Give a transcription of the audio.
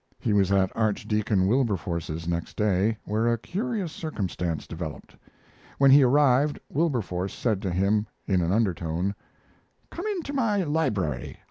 He was at Archdeacon Wilberforce's next day, where a curious circumstance developed. When he arrived Wilberforce said to him, in an undertone: "Come into my library.